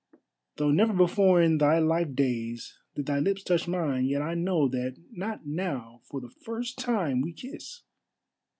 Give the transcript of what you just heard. Though never before in thy life days did thy lips touch mine, yet I know that not now for the first time we kiss.